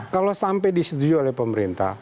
kalau sampai disetujui oleh pemerintah